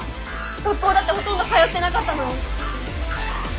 学校だってほとんど通ってなかったのに。